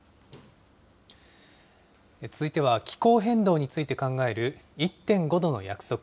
続いては気候変動について考える１．５℃の約束。